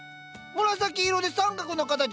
紫色で三角の形！